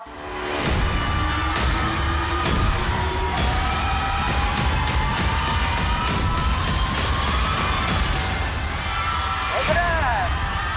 ๖คะแนน